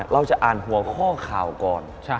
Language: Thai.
เราจะอ่านหัวข้อข่าวก่อน